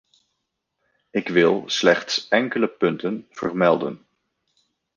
Ik wil slechts enkele punten vermelden.